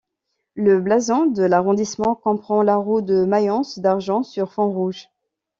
Le blason de l'arrondissement comprend la roue de Mayence d’argent sur fond rouge.